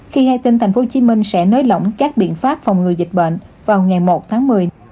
khi ngay tin thành phố hồ chí minh sẽ nới lỏng các biện pháp phòng ngừa dịch bệnh vào ngày một tháng một mươi